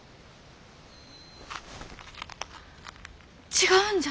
違うんじゃ。